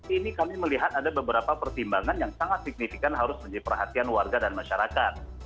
ini kami melihat ada beberapa pertimbangan yang sangat signifikan harus menjadi perhatian warga dan masyarakat